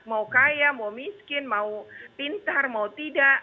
mau kaya mau miskin mau pintar mau tidak